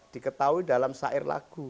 diketahui dalam sair lagu